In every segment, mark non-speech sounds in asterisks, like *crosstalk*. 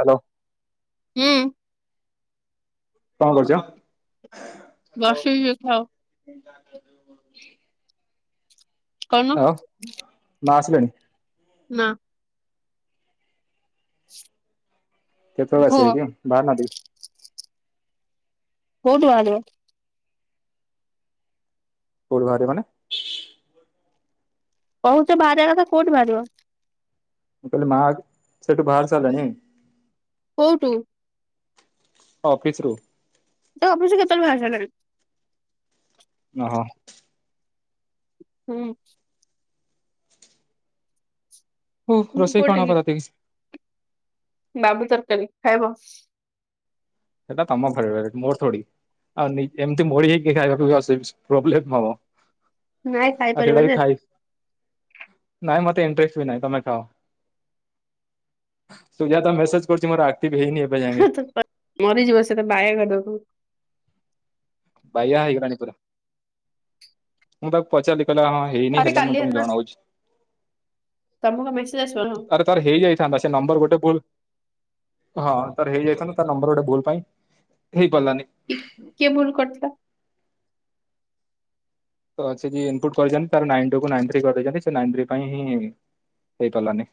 Hello. ଉଁ। କଣ କରୁଚ? ବସି ଯେ ଥାଉ। *unintelligible* କହୁନୁ ଆଉ ମା ଆସିଲେଣି। ନା। କେତେବେଳେ ଆସିବେ ହୁଅ କି ବାହାର ନାହାନ୍ତି? କୋଉଠୁ ବାହାରିବୁ? କୋଉଠୁ ବାହାରିବ ମାନେ? କହୁଛ ବାହାରିବା କଥା କୋଉଠି ବାହାରିବ? ମୁଁ କହିଲି ମା ସେଠୁ ବାହାରି ସାରିଲେଣି। କୋଉଟୁ? ଅଫିସରୁ। ତା ଅଫିସରୁ କେତେବେଳ ଠୁ ବାହାରି ସାରିଲାଣି। ଓହୋ। ହୁଁ। ହୁଁ ରୋଷେଇ କଣ କୋଉଠିକି ହବ ରାତିକି? ବାବୁ ତରକାରୀ ଖାଇବ। ସେଟା ତମ ଫେବରାଇଟ ମୋର ଥୋଡି। ଆଉ ଏମତି ମୋଡି ହେଇକି ଖାଇବାକୁ ବି ଅସ୍ ପ୍ରୋବ୍ଲେମ ହବ। ନାଇଁ ଆଉ ସେଇଟା ଖାଇପାରିବ ବି ଯେ। ଖାଇ ନାଇଁ ମତେ ଇଣ୍ଟରେଷ୍ଟ ବି ନାହିଁ ତମେ ଖାଅ। ତୁ ଯା ତ ମେସଜ କରୁଛି ମର ଆ ମରିଯିବ ସେଟା ତ ବାଇଆ କରଦବ। ବାଇଆ ହେଇଗଲାଣି ପୁରା, ମୁଁ ତାକୁ ପଚାରିଲି କହିଲା ହଁ ହେଇନି, ତାପରେ ହେଲେ ମୁଁ କାଲି ତମକୁ ହେଲା ଜଣଉଛି। ତମକୁ ମେସେଜ ଆସିବ ଆରେ ତାର ହେଇ ଯାଇଥାନ୍ତା ସେ ନମ୍ବର ଗୋଟେ ଭୁଲ ହଁ ତ ହେଇ ଯାଇଥାନ୍ତା ତାର ନମ୍ବର ଗୋଟେ ଭୁଲ ପାଇଁ ହେଇପାରିଲାନି କିଏ କିଏ ଭୁଲ କରଥିଲା? ତ ସେ ଯିଏ ଇନପୁଟ୍ କରିଛନ୍ତି ତାର ନାଇନ୍ ଟୁ କୁ ନାଇନ୍ ଥ୍ରୀ କରି ଦେଇଛନ୍ତି, ସେ ନାଇନ ଥ୍ରୀ ପାଇଁ ହିଁ ହେଇନି। ହେଇ ପାରଲାନି।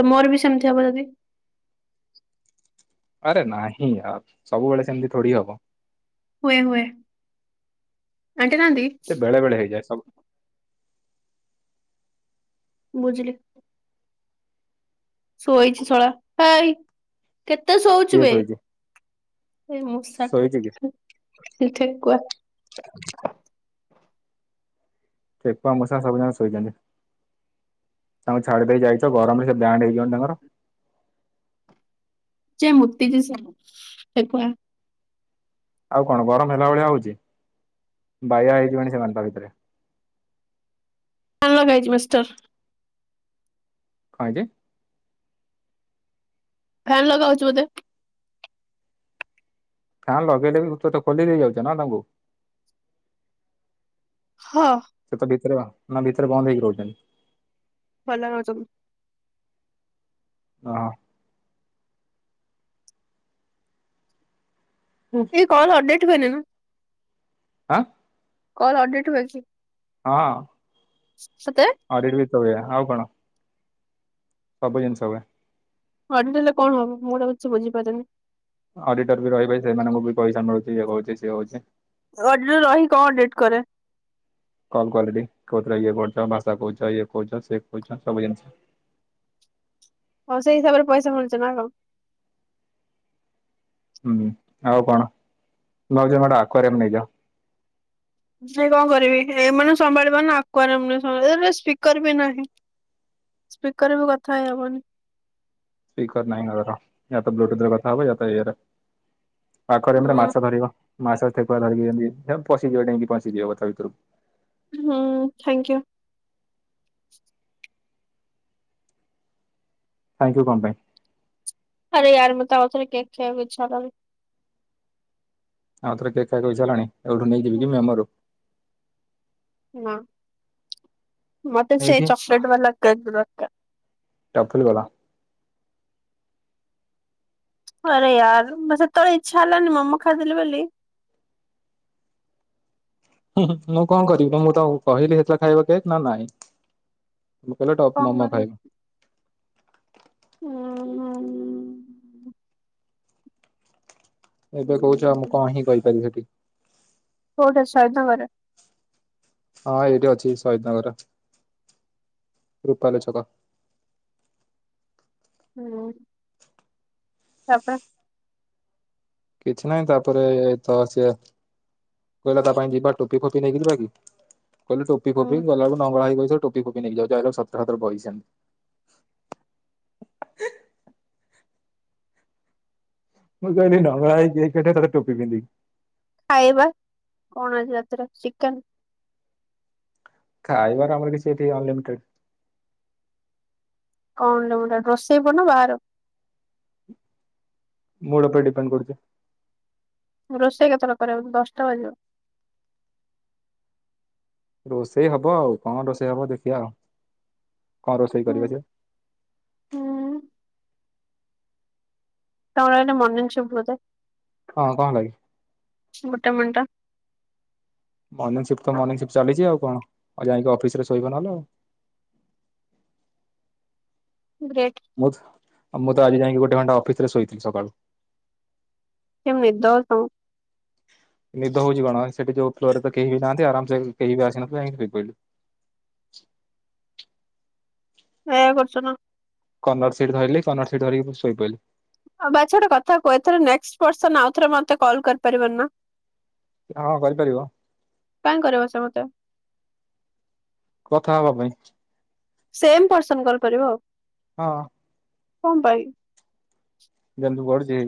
ତ ମୋର ବି ସେମତି ହବ ଯଦି। ଆରେ ନାହିଁ ଆର ସବୁବେଳେ ସେମତି ଥୋଡି ହବ। ହୁଏ, ହୁଏ। ଆଣ୍ଟି ନାହାନ୍ତି ସେ ବେଳେ ବେଳେ ହେଇଯାଏ, ସବ ବୁଝିଲି। ଶୋଇଛି ଶଳା ହେଇ କେତେ ଶୋଉଛୁ କିଏ ବେ। ଶୋଇଛି। ସେଇ ଶୋଇଛି କି ମୂଷାଟା ସେ ଠେକୁଆ। ଠେକୁଆ, ମୂଷା ସବୁଯାକ ଶୋଇଛନ୍ତି। ତାଙ୍କୁ ଛାଡି ଦେଇକି ଯାଇଛ ଗରମ ରେ ସେ ବ୍ୟାଣ୍ଡ ହେଇ ଯିବଣି ତାଙ୍କର। ସିଏ ମୁତିକି ସାଇଲେଇ, ଠେକୁଆ ଆଉ କଣ ଗରମ ହେଲା ଭଳିଆ ହଉଚି, ବାଇଆ ହେଇ ଯିବେଣି ସେମାନେ ତା ଭିତରେ। ଫ୍ୟାନ ଲଗା ହେଇଚି ମିଷ୍ଟର। କଁ ହେଇଚି? ଫ୍ୟାନ ଲଗାଉଛି ବୋଧେ। ଫ୍ୟାନ ଲଗେଇଲେ ବି *unintelligible* ତ ଖୋଲି ଦେଇ ଯାଉଛ ନା ତାଙ୍କୁ। ହ। ସେ ତ ଭିତରେ ନା ଭିତରେ ବନ୍ଦ ହେଇକି ରହୁଛନ୍ତି। ଭଲ ହଉଚୁ। ଓ। ଏଇ କଲ ଅପଡେଟ ହୁଏନିନା? ଆ? କଲ ଅଡିଟ୍ ହୁଏକୀ? ହଁ। ଅଡିଡ ବି ତ ହୁଏ ଆଉ କଣ? ସବୁ ଜିନିଷ ହୁଏ। ଅଡିଟ ହେଲେ କଣ ହବ ମୁଁ ଗୋଟେ କିଛି ବୁଝିପାରୁନି। ଅଡିଟର ବି ରହିବେ ସେମାନଙ୍କୁ ବି ପଇସା ମିଳୁଛି। ଇଏ କହୁଛି। ଅଡିଟର ରହି କଣ ଅଡିଟ କରେ? କଲ କ୍ୱାଲିଟୀ କୋଉଥିରେ ଇଏ କରୁଛ ଭାଷା କହୁଛ ଇଏ କହୁଛ ସେ କହୁଛ ସବୁ ଜିନିଷ। ହଉ ସେଇ ହିସାବରେ ପଇସା ମିଳୁଛି ନା କଣ? ହୁଁ ଆଉ କଣ? ମୁ ଭାବୁଚି ଆମେ ଗୋଟେ ଆକୁଆରିଅମ୍ ନେଇଯିବା। ସେ କଣ କରିବେ ଏଇମାନଙ୍କୁ ସମ୍ଭାଳି ପାରୁନ ଆକୁଆରିଅମ୍ ରେ ସମ୍ବା ଏଟ୍ ସ୍ପିକର ବି ନାହିଁ। ସ୍ପିକର ରେ ବି କଥା ହେଇହବନି। ସ୍ପିକର ନାହିଁ ଘରର ୟାତ ବ୍ଲୁଟୁଥରେ କଥା ହବ ୟା ତ ଇୟରରେ। ପାଖରେ ପରା ହୁଁ ମାଛ ଧରିବ। ମାସ ଥେକୁଆ ଧରିକି ଏନ୍ତି ହେରା ପଶିଯିବ ଡେଇଁଙ୍କି ପଶିଯିବ ଯିବ ତା ଭିତରୁକୁ। ହଁ ଥ୍ୟାଙ୍କୟୁ। ଥ୍ୟାଙ୍କୟୁ କଣ ପାଇଁ? ଆରେ ୟାର ମତେ ଆଉଥରେ କେକ୍ ଖାଇବାକୁ ଇଚ୍ଛା ହେଲାଣି। ଆଉ ଥରେ କେକ୍ ଖାଇବାକୁ ଇଚ୍ଛା ହେଲାଣି ଏଠୁ ନେଇ ଯିବି କି ମେମରୁ? ହଁ ମତେ ସେ ଏଇଠି ଚକଲେଟ୍ ବାଲା କେକ୍ ଦର୍ ଟଫଲ ବାଲା। ଆରେ ୟାର ବ ସେତେବେଳେ ଇଚ୍ଛା ହେଲାନି ମୋମ ଖାଇଦେଲି ବୋଲି ମୁଁ କଣ କରିବି ନା ମୁଁ ତ କହିଲି ହେତବେଳେ ଖାଇବ କେକ୍ ନା ନାଇଁ। ମୁ କହିଲେ ଟପ କଣ ମୋମ ଖାଇବି। ହଁ ହଁ। ଏବେ କହୁଛ ଆଉ ମୁଁ କଣ ହିଁ କହିପାରିବି ହେଠି? କୋଉଠେ ସହିଦ ନଗରରେ? ହଁ ଏଇଠି ଅଛି ସହଦନଗର ରେ। ରୂପାଲି ଛକ। ହୁଁ ତାପରେ କିଛି ନହିଁ ତାପରେ ତ ସିଏ କହିଲା ତା ପାଇଁ ଯିବା ଟୋପି ଫୋପି ନେଇକି ଯିବା କି କହିଲେ ଟୋପି ହୁଁ ଫୋପି ଗଲା ବେଳକୁ ନଙ୍ଗଳା ହେଇକି ବସି ଟୋପି ଫୋପି ନେଇକି ଯାଉଚି। ଆଇଲାବେଳକୁ ସତରେ ସତ ବଇଚି ସେମିତି ମୁଁ କହିଲି ନଙ୍ଗଳା ହେଇ କେକ କାଟେ ତଟ ଟୋପି ପିନ୍ଧିକି ଖାଇବା କଣ ଅଛି ରାତିରେ ଚିକେନ? ଖାଇବର ଆମର କିଛି ଏଠି ଅନଲିମିଟେଡ। କଣ ତମର ରୋଷେଇ କର ନା ବାହାରୁ? ମୁଡ ଉପରେ ଡିପେଣ୍ଡ କରୁଚ୍ଛି। ରୋଷେଇ କେତେବେଳେ କରିବ ଦଶଟା ବାଜିବ। ରୋଷେଇ ହବ ଆଉ କଣ ରୋଷେଇ ହବ ଦେଖିବା ଆଉ। କଣ ରୋଷେଇ ହୁଁ କରିବ ସେ? ହୁଁ ତମର ଏଇନା ମର୍ନିଙ୍ଗ୍ ସିପ୍ଟ୍ ବୋଧେ। ହଁ କଣ ହେଲା କି? ମୋଟା ମେଣ୍ଟା। ମର୍ନିଙ୍ଗ ସିଫ୍ଟ ତ ମର୍ନିଙ୍ଗ ସିଫ୍ଟ ଚାଲିଛି ଆଉ କଣ ଆଉ ଯାଇକି ଅଫିସରେ ଶୋଇବ ନହେଲେ ଆଉ। ଗ୍ରେଟ୍ ମୁଁ ମୁଁ ତ ଆଜି ଯାଇକି ଗୋଟେ ଘଣ୍ଟା ଅଫିସରେ ଶୋଇଥିଲି ସକାଳୁ। କି ନିଦ ତମକୁ। ନିଦ ହଉଛି କଣ ସେଠି ଯୋଉ ଫ୍ଲୋରେ ତ କେହି ବି ନାହାନ୍ତି ଆରାମସେ କେହି ବି ଆସିନଥିବେ ଯାଇକି ଶୋଇପଇଲି । ଏୟା କରୁଛ ନା। କର୍ନର ସିଟ୍ ଧଇଲି କର୍ନର ସିଟ୍ ଧରିକି ପୁଣି ଶୋଇପଇଲି। ବାଛ୍ ଗୋଟେ କଥା କୁହ ନେକ୍ସଟ୍ ପର୍ସନ ଆଉଥରେ ମତେ କଲ୍ କରିପାରିବନି ନା। ହଁ କରିପାରିବ କଣ କରିବ ସେ ମତେ? କଥା ହବା ପାଇଁ। ସେମ ପର୍ସନ କଲ କରିବ। ହଁ। କ ପାଇଁ? କେନ୍ଦୁ ଗଡୁଛି।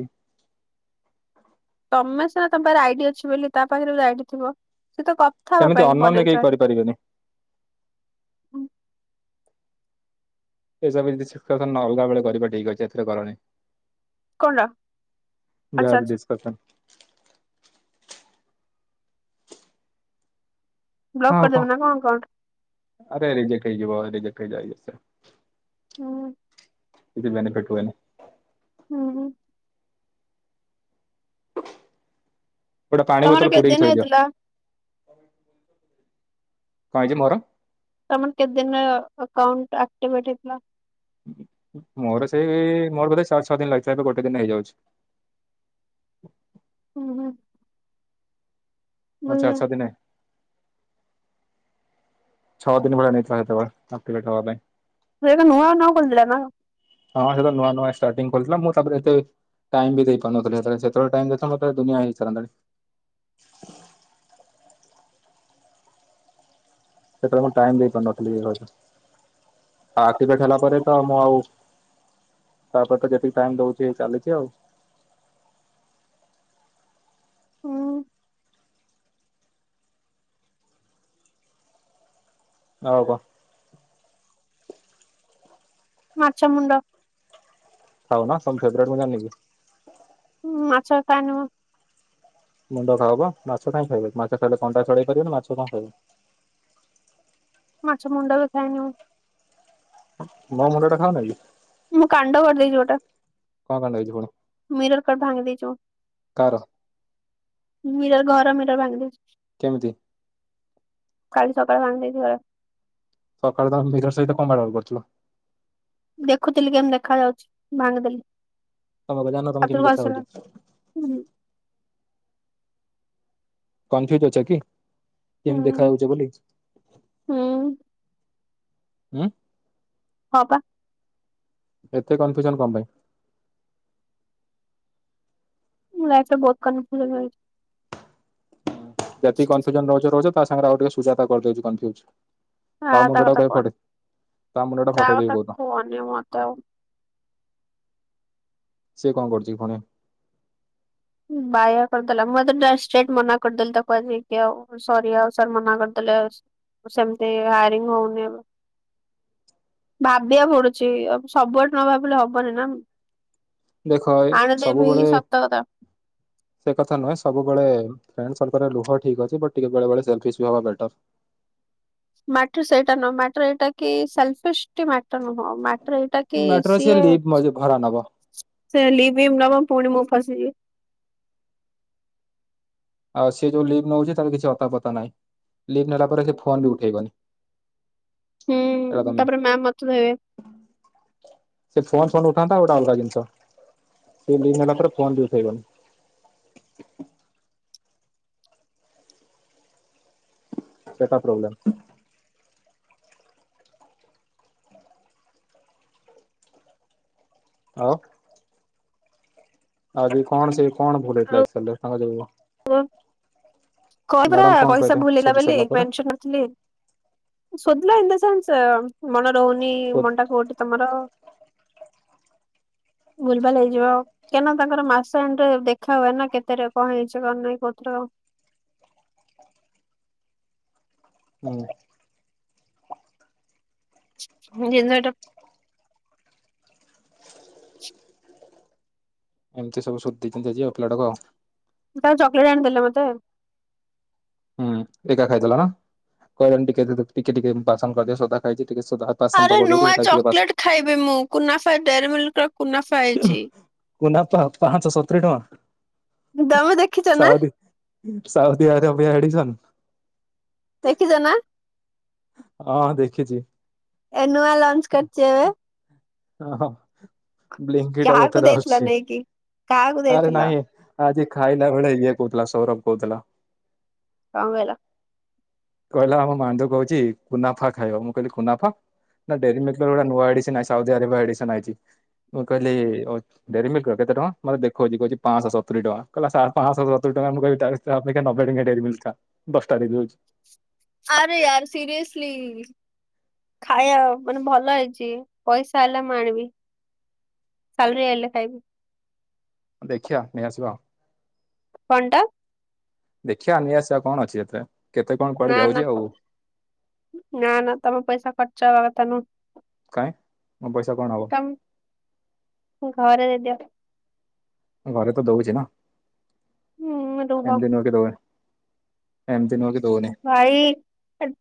ତମେ ସିନା ତମ ପାଖରେ ଆଇଡି ଅଛି ବୋଲି ତା ପାଖରେ ଯଦି ଆଇଡି ଥିବ। ସେ ତ କଥା ସେମିତି ହବାପାଇ ଅନନ୍ୟ କେହି ପରିଚର୍ କରିପାରିବେନି। ଏସବୁ କିଛି କଥା ନହେଲା ବେଳେ କରିବା ଠିକ୍ ଅଛି ଏତେ କରନି। କଣ ଟା ଆଚ୍ଛା ଯାହା ବି ଆଚ୍ଛା ଡିସ୍କସନ। ବ୍ଲକ ହଁ ଆଉ କହ କରିଦେବେ ନା କଣ ଆକାଉଣ୍ଟ? ଆରେ ରିଜେକ୍ଟ୍ ହେଇଯିବ ରିଜେକ୍ଟ ହେଇଯାଏ। ହୁଁ କିଛି ବେନିଫିଟ୍ ହୁଏନି। ହୁଁ ହୁଁ। ଗୋଟେ ପାଣି ତମର ବୋତଲ କେତେ ପୁରେଇକି ଦିନ ଥୋଇଦିଅ। ହେଇଥିଲା? କଣ ହେଇଚି ମୋର। ତମର କେତେ ଦିନିରେ ଆକାଉଣ୍ଟଟା ଆକ୍ଟିଭେଟ୍ ହେଇଥିଲା? ମୋର ସେଇ ମୋର ବୋଧେ ଛଅ ଛଅ ଦିନ ଲାଗିଥିଲା ଏବେ ଗୋଟେ ଦିନରେ ହେଇଯାଉଛି। ହୁଁ ହୁଁ। ମୋର ବୁଝିଲି। ଚାରିଛଅ ଦିନେ। ଛଅ ଦିନି ଭଳିଆ ନେଇଥିଲା ସେତେବେଳେ ଆକ୍ଟିଭେଟ୍ ହେବା ପାଇଁ। ସେ ନୂଆ ନୂଆ କୋଲିଥିଲା ନା। ହଁ ସେତେବେଳେ ନୂଆ ନୂଆ ଷ୍ଟାର୍ଟିଂ ଖୋଲିଥିଲା ମୁଁ ତାପରେ ଏତେ ଟାଇମ୍ ବି ଦେଇପାରୁନଥିଲି ସେତେବେଳେ ଟାଇମ୍ ଦେଇଥିଲେ ମତେ ଦୁନିଆ ହେଇସାରନ୍ତାଣି। ସେତେବେଳେ ମୁଁ ଟାଇମ୍ ଦେଇପାରୁନଥିଲି। ଆକ୍ଟିଭେଟ୍ ହେଲା ପରେ ତ ମୁଁ ଆଉ। ତାପରେ ତ ଯେତିକି ଟାଇମ୍ ଦୋଉଛି ଚାଲିଛି ଆଉ। ହୁଁ ଆଉ କଣ। ମାଛମୁଣ୍ଡ। ଖାଉନ ତୁମ ଫେବରାଇଟ୍ ମୁଁ ଜାଣିନି କି। ମାଛବଖାଏନି ମୁଁ। ମୁଣ୍ଡ ଖାଅପା ମାଛ କାହିଁକି ଖାଇବନି ମାଛ ଖାଇଲେ କଣ୍ଟା ଛଡେଇ ପାରିବନି ମାଛ କଣ ଖାଇବ। ମାଛ ମୁଣ୍ଡ ବି ଖାଏନି ମୁଁ। ମୋ ମୁଣ୍ଡଟା ଖାାଉନ କି? ମୁଁ କାଣ୍ଡ କରିଦେଇଛି ଗୋଟା। କଣ କାଣ୍ଡ ହେଇଛି ପୁଣି। ମିରର କଟ ଭାଙ୍ଗ ଦେଇଛୁ କାର ମିରର ଘର ମିରର ଭାଙ୍ଗ ଦେଇଛି। କେମିତି। କାଲି ସକାଳ ସାଙ୍ଗ ଦେଖିବ। ସକାଳୁ ତମେ ନିରାଷ ହେଇ ତାକୁ କପାଇଁ ଗାଳି କରୁଥିଲ। ଦେଖୁଥିଲି କେମିତି ଦେଖା ଯାଉଚି ଭାଙ୍ଗିଦେଲି। ତମେ କଣ ଜାଣିନ ତମେ ଅତୁର୍ କେମିତି ବାର ଦେଖାଯାଉଛ ଶୁଣ ହୁଁ। କନଫ୍ୟୁଜ ଅଛ କି? ହୁଁ କେମତି ଦେଖା ଯାଉଚ ବୋଲି ଉଁ। ହୁଁ ହଁ ପା। ଏତେ କନଫ୍ୟୁଜନ କଣ ପାଇଁ। ଲାଇଫରେ ବହୁତ କନଫ୍ୟୁଜନ ରହିଛି। ଯେତିକି କନଫ୍ୟୁଜନ ରହୁଚ ରହୁଚ ତା ସାଙ୍ଗରେ ଆଉ ଟିକେ ସୁଜତା କରିଦଉଚି କନଫ୍ୟୁଜ। ଆ ତା ମୁଣ୍ଡ କଥା ଟାକୁ କହ କହନି। ଫଟେ ତା ମୁଣ୍ଡ ଟାକୁ ଫଟେଇଦେବି କଥା କୋଉଦିନ। କୁହନି ମତେ ଆଉ। ସେ କଣ କରୁଚି କି ଫୁଣି। ବାୟା କରିଦେଲା ମୁଁ ଆଜି ତାକୁ ଷ୍ଟ୍ରେଟ ମନା କରିଦେଲି ତାକୁ ଆଜିକି ଆଉ ସରି ଆଉ ସାର ମନା କରିଦେ ଲେ ସେମତି ଆରିଙ୍ଗ ହଉନି। ଭାବିଆକୁ ପଡୁଚି ସବୁଆଡେ ନ ଭାବିଲେ ହବନି ନା। ଦେଖ ଆଣିଦେବି ସବୁବେଳେ ସତ କଥା। ସେ କଥା ନୁହେଁ ସବୁବେଳେ ଏମିତି ସବୁଥିରେ ଲୁହ ଠିକ ଅଛି। ବଟ ଟିକେ ବେଳେବେଳେ ସେଲେଫିସ ହବା ଦରକାର। *inaudible* ମାଟ୍ରି ସେଇଟା ନୁହେଁ ମାଟ୍ର ଏଇଟା କି ସେଲଫିସ ଟି ମା ନୁହଁ ମ୳୲ଟର ଏଇଟା କି ମ୍ୟାଟର ଅଛି ସିଏ ଲିଭ୍ ଭରା ନବ ସେ ଲିଗିମ ନବ ପୁଣି ମୁଁ ଫସିବି। ଆଉ ସେ ଯୋଉ ଲିଭ୍ ନେଉଛି ତାର କିଛି ଅତାପତା ନାହିଁ। ଲିଭ ନେଲା ପରେ ସେ ଫୋନ ବି ଉଠେଇବନି। ଏଇଟା ହୁଁ ତମେ ତାପରେ ମ୍ୟାମ ନଥିବେ। ସେ ଫୋନ ଫୋନ ଉଠାନ୍ତା ଗୋଟେ ଅଲଗା ଜିନିଷ। ସେ ଲିଭ ନେଲା ପରେ ଫୋନ ବି ଉଠେଇବନି। *inaudible* ସେଟା ପ୍ରୋବ୍ଲେମ୍। ଆଉ। ଆଉ ଯୋଉ କଣ ସବୁ କଣ ଭୁଲହେଇଥିଲା। ଏକସେଲରେ ତାଙ୍କ ଯୋଗୁ। ଓ କଣ ପରା ପଇସା କହିଲେ ଭୁଲହେଇଥିଲା ସୋଧି ବୋଲି ସାରିଲା ପରେ ମେନସନ କରିଥିଲି। ଶୋଦିଲା ଇନ ଦ ସେନ୍ସ ମନ ରହୁନି ହୁଁ ମନ ଟା କଉଠି ତମର। *inaudible* ଭୁଲ ଭାଲ ହେଇଯିବ କାହିଁକିନା ତାଙ୍କର ମାସ ଏଣ୍ଡ ଦେଖା ହୁଏନା କେତେରେ କଣ ହେଇଛି କଣ ନାହିଁ ପତ୍ର। ହୁଁ। ଯେନେଟ ଏମିତି ସବୁ ଶୋଦି ଦେଇଚନ୍ତି ଯେ ପିଲାଟାକୁ ଆଉ। ଆଉ ଚକୋଲେଟ ଆଣିଦେଲେ ମତେ। ଏକା ଖାଇଦେଲା ନା କଣ ଟିକେ ଟିକେ ଟିକେ ବାସନ କରିଦେ ସୋଦା ଖାଇଚି। ଆରେ ନୂଆ ଚକୋଲେଟ ଖାଇବି ମୁଁ କୁନାଫାଏ ଡେରମଲିକର କୁନାଫାଏ ହେଇଛି। କୁନାପାଏ ପାଞ୍ଚଶହ ସତୁରି ଟଙ୍କା। ଦମେ ଦେଖିଛ ନା। Saudi Saudi Arabia edition. ଦେଖିଛ ନା। ହଁ ଦେଖିଚି। ଏନୁଆ ଲଞ୍ଚ କରଚେ। ଓ ହଁ ବ୍ଲେଙ୍କିଟା କାହାକୁ ଏଥର ଦେଇଥିଲ ଆସିଚି। ନେଇକି? କାହାକୁ ଆରେ ଦେଇଥିଲ ନାଇଁରେ। ଆଜି ଖାଇଲା ବେଳେ ଇଏ କହୁଥିଲା ସୌରଭ କହୁଥିଲା। କଣ କହିଲା? କହିଲା ଆମ ମାଣ୍ଡୁ କହୁଛି କୁନାଫା ଖାଇବ ମୁଁ କହିଲି କୁନାଫା। ନା ଡେରିମିକ୍ଲିରେ ଗୋଟେ ନୂଆ ଏଡିସିନ୍ ଆ ସାଉଦିଆରେ ପା ଏଡିସନ୍ ଆଇଚି। ମୁଁ କହିଲି ହଉ ଡେରି ମିଲକ କେତେ ଟଙ୍କା ମତେ ଦେଖଛି କହୁଛି ପାଞ୍ଚଶହ ସତୁରି ଟଙ୍କା କହିଲା ସେ ପାଞ୍ଚଶହ ସତୁୁରି ଟ ତା ଅପେକ୍ଷା ନବେ ଟଙ୍କା ଡେରି ମିଲକ ଖା ଦଶଟା ଦେଇ ଦଉଛି। ଆରେୟାର ସିରିୟସ୍ଲି। ଖାଇବା ମାନେ ଭଲ ହେଇଛି ପଇସା ହେଲେ ମୁ ଆଣିବି। ସାଲେରୀ ଆଇଲେ ଖାଇବି। ଦେଖିବା ନେଇ ଆସିବା। କଣ ଟା? ଦେଖିବା ନେଇଆସିବା କଣ ଅଛି ଏଥିରେ? କେତେ କଣ କୁଆଡେ ନା ନା ଯାଉଛି ଆଉ ନା ନା ତମେ ପଇସା ଖର୍ଚ୍ଚ ହେବା କଥା ନୁହଁ। କାଇଁ ମୋ ପଇସା କଣ ହବ ତମ ଘରେ ଦେଇଦିଅ। ଘରେ ତ ଦଉଛି ନା ହୁଁ ରୁହ ଏମତି ନୁହେଁକି ଦଉନି। ଏମିତି ନୁହେଁ କି ଦଉନି ଭାଇ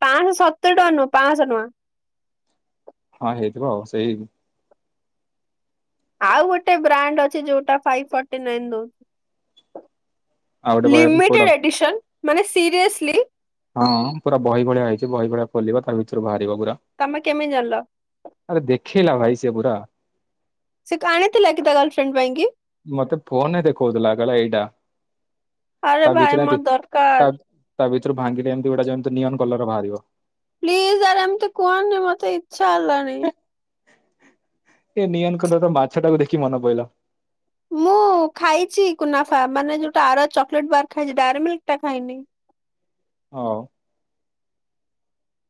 ପାଞ୍ଚଶହ ସତୁରି ଟଙ୍କା ନୁହଁ ପାଞ୍ଚଶହ ଟଙ୍କା। ହଁ ହେଇଥିବ ଆଉ ସେଇ ଆଉ ଗୋଟେ ବ୍ରାଣ୍ଡ ଅଛି ଯୋଉଟା ଫାଇପ ଫଟି ନାଇନ ଦଉ ଆଉ ଗୋଟେ ବହି କୋଉ ଲିମିଟେଡ ଏଡିସନ୍ ମାନେ ସିରିଏସଲି। ହଁ ପୁରା ବହି ଭଳିଆ ହେଇଛି ବହି ଭଳିଆ ଖୋଲିବ ତା ଭିତରୁ ବାହାରି ହାରିବ ପୂରା ତମେ କେମିତି ଜାଣିଲ ଆରେ ଦେଖେଇଲା ଭାଇ ସେ ପୁରା। ସେ ଆଣିଥିଲା କି ତା ଗାର୍ଲଫ୍ରେଣ୍ଡ ପାଇଁ କି? ମତେ ଫୋନ ରେ ଦେଖଉଥିଲା କହିଲା ଏଇଟା। ଆରେ ତା ଭିତରେ ଭାଇ ମୋ ଏମିତି ତା ଦରକାର। ତା ଭିତରୁ ଭାଙ୍ଗିଲେ ଏମିତି ଗୁଟା ଯେମିତି ନିଅନ କଲର ବାହାରିବ। ପ୍ଲିଜ ସାର ଏମିତି କୁହନି ମତେ ଇଚ୍ଛା ହେଲାଣି। ଏ ନିଅନ କଲରର ମାଛ ଟାକୁ ଦେଖିକି ମନେ ପଡିଲା। ମୁଁ ଖାଇଛି କୁନାଫା ମାନେ ଯୋଉଟା ଆର ଚକୋଲେଟ ବାର ଖାଇଛି ଡେରିମିଲକ ଟା ଖାଇନି। ହଉ।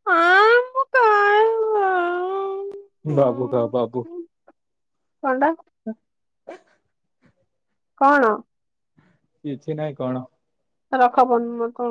ହଁ ମୁ ଖାଇବି। ବାବୁ କା ବାବୁ। କଣ ଟା କଣ? କିଛି ନାଇଁ କଣ? ରଖ ଫୋନ ମୋର କଣ